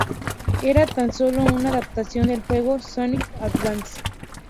Era tan solo una adaptación del juego Sonic Advance.